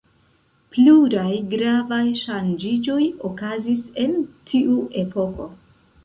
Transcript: Pluraj gravaj ŝanĝiĝoj okazis en tiu epoko.